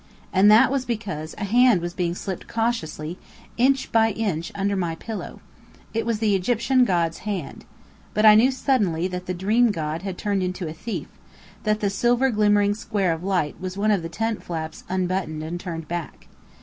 And that was because a hand was being slipped cautiously, inch by inch, under my pillow. It was the Egyptian god's hand. But I knew suddenly that the dream god had turned into a thief: that the silver glimmering square of light was one of the tent flaps unbuttoned and turned back.